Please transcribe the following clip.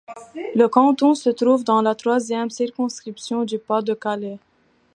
Le canton se trouve dans la Troisième circonscription du Pas-de-Calais.